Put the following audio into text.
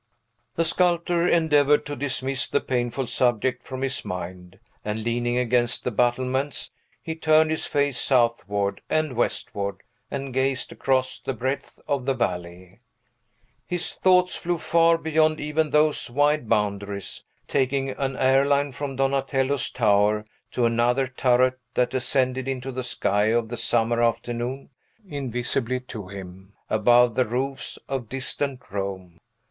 The sculptor endeavored to dismiss the painful subject from his mind; and, leaning against the battlements, he turned his face southward and westward, and gazed across the breadth of the valley. His thoughts flew far beyond even those wide boundaries, taking an air line from Donatello's tower to another turret that ascended into the sky of the summer afternoon, invisibly to him, above the roofs of distant Rome.